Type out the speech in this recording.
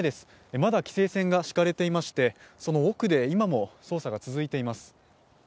まだ規制線が敷かれていまして、その奥で今も捜査が続いています。